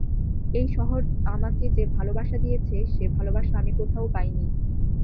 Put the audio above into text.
এই শহর আমাকে যে ভালোবাসা দিয়েছে, সে ভালোবাসা আমি কোথাও পাইনি।